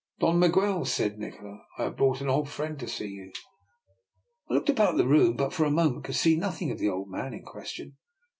" Don Miguel," said Nikola, " I have brought an old friend to see you.'' I looked about the room, but for a mo ment could see nothing of the old man in question.